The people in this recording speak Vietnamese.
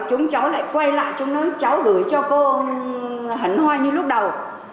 chúng cháu lại quay lại trong nói cháu gửi cho cô hẳn hoa như lúc đầu